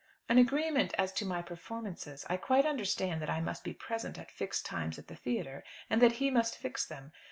"An agreement as to my performances. I quite understand that I must be present at fixed times at the theatre, and that he must fix them.